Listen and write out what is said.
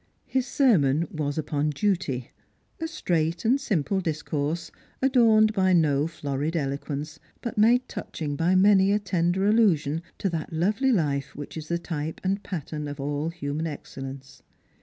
His sermon was upon duty. A straight and simple discourse, adorned by no florid eloquence, but made touching by many a tender allusion to that lovely life which is the type and pattern of all human excellence.